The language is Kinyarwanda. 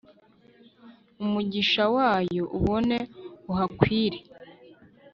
umugisha wayo ubone uhakwire